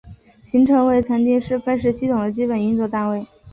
行程为曾经是分时系统的基本运作单位。